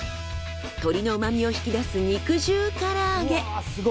鶏の旨みを引き出す肉汁から揚げ。